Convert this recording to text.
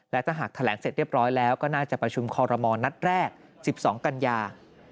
และถ้าหากแถลงเสร็จเรียบร้อยแล้วก็น่าจะประชุมคอรมณ์นัดแรก๑๒กันยา